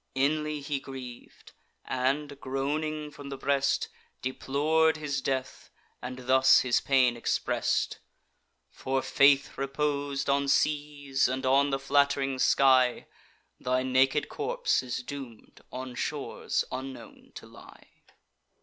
Inly he griev'd, and, groaning from the breast, Deplor'd his death; and thus his pain express'd: "For faith repos'd on seas, and on the flatt'ring sky, Thy naked corpse is doom'd on shores unknown to lie."